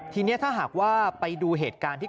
ทีนี้ถ้าหากว่าไปดูเหตุการณ์ที่